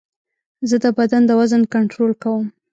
زه د بدن د وزن کنټرول کوم.